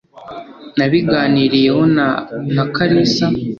nabiganiriyeho na nakalisa